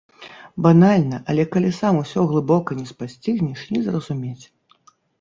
Банальна, але калі сам усё глыбока не спасцігнеш, не зразумець.